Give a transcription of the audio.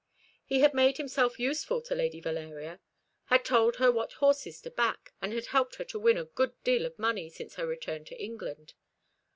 He had made himself useful to Lady Valeria: had told her what horses to back, and had helped her to win a good deal of money since her return to England.